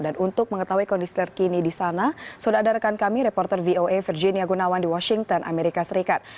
dan untuk mengetahui kondisi terkini di sana sudah ada rekan kami reporter voa virginie agunawan di washington amerika serikat